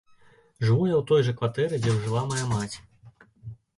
Жыву я ў той жа кватэры, дзе жыла мая маці.